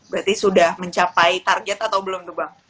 berarti sudah mencapai target atau belum